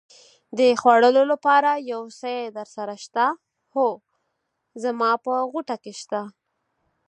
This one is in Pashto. د خوړلو لپاره یو شی درسره شته؟ هو، زما په غوټه کې شته.